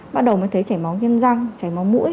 bắt đầu mới thấy chảy máu nhân răng chảy máu mũi